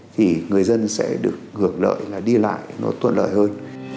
thì người dân sẽ được hưởng lợi là đi lại nó tuận lợi hơn